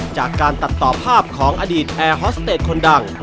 จากการตัดต่อภาพของอดีตแอร์ฮอสเตจคนดัง